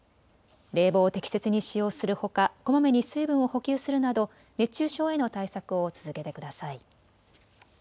冷房を適切に使用するほかこまめに水分を補給するなど熱中症への対策を続けてください。